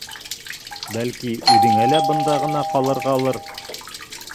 Бәлки, үҙеңә лә бында ғына ҡалырғалыр?